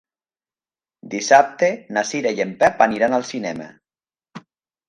Dissabte na Cira i en Pep aniran al cinema.